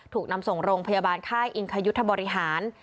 ถูกนำส่งโรงพยาบาลค่ายอิงคยุทธบริหาร